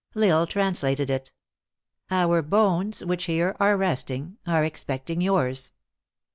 L Isle translated it : Our bones, which here are resting, Are expecting yours.